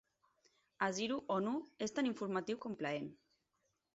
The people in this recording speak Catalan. "Hasiru honnu" és tan informatiu com plaent.